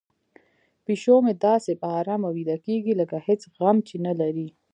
پیشو مې داسې په ارامه ویده کیږي لکه هیڅ غم چې نه لري.